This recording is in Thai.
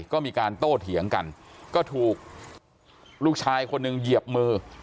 ก็มีการโต้เถียงกันก็ถูกลูกชายคนหนึ่งเหยียบมือ